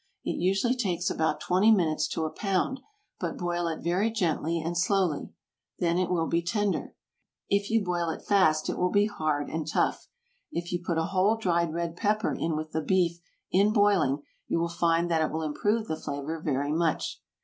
It usually takes about twenty minutes to a pound, but boil it very gently and slowly. Then it will be tender. If you boil it fast it will be hard and tough. If you put a whole dried red pepper in with the beef in boiling, you will find that it will improve the flavor very much.